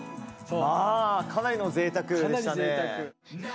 まあかなりのぜいたくでしたね！